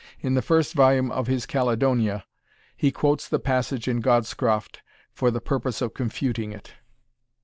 In the first volume of his Caledonia, he quotes the passage in Godscroft for the purpose of confuting it.